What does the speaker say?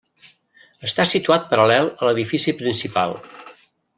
Està situat paral·lel a l'edifici principal.